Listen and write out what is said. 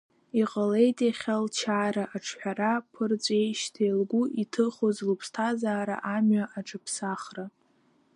Иҟалеит иахьа лчара аҿҳәара ԥырҵәеижьҭеи лгәы иҭыхоз лыԥсҭазаара амҩа аҽаԥсахра.